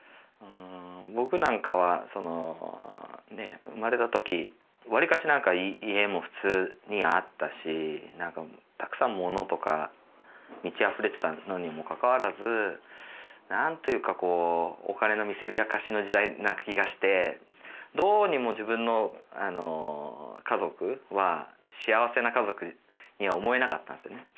僕なんかはその生まれたときわりかし何か家も普通にあったしたくさん物とか満ちあふれてたのにもかかわらず何というかこうお金の見せびらかしの時代な気がしてどうにも自分の家族は幸せな家族には思えなかったんですよね。